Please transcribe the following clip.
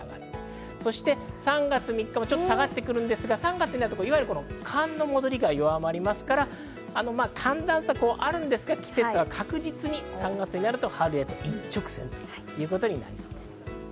そして３月３日も下がってくるんですが３月になると寒の戻りが弱くなりますから寒暖差があるんですが、季節は確実に３月になると春へと一直線となりそうです。